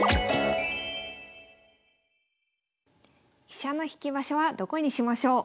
飛車の引き場所はどこにしましょう？